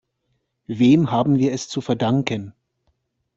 Wem haben wir es zu verdanken?